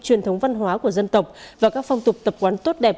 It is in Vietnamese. truyền thống văn hóa của dân tộc và các phong tục tập quán tốt đẹp